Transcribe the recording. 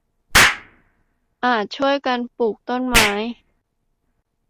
อาจช่วยกันปลูกต้นไม้